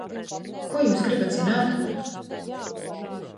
Ko jūs gribat zināt?